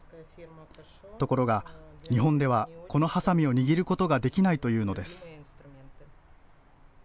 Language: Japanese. ところが、日本ではこのはさみを握ることができないというのです。